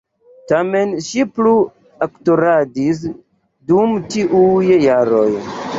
Tamen, ŝi plu aktoradis dum tiuj jaroj.